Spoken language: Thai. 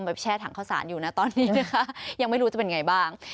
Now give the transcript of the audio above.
แช่ถังข้าวสารอยู่นะตอนนี้นะคะยังไม่รู้จะเป็นไงบ้าง